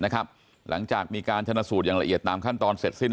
หลังจากมีการชนะสูตรอย่างละเอียดตามขั้นตอนเสร็จสิ้น